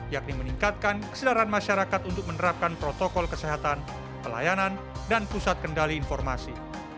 yakni meningkatkan kesedaran masyarakat untuk menerapkan protokol kesehatan pelayanan dan pusat kendali informasi